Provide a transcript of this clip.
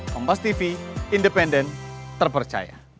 kompas tv independen terpercaya